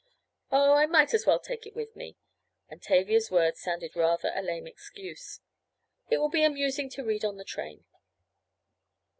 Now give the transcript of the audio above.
"Oh, I might as well take it with me," and Tavia's words sounded rather a lame excuse. "It will be amusing to read on the train."